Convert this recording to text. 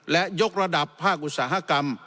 และยกระดับภาคอุตสาหกรรม